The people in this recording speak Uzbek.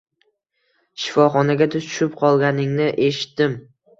Shifoxonaga tushib qolganingni eshitdim